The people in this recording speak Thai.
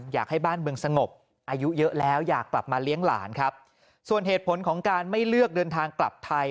อยากให้บ้านเมืองสงบอายุเยอะแล้วอยากกลับมาเลี้ยงหลานครับส่วนเหตุผลของการไม่เลือกเดินทางกลับไทย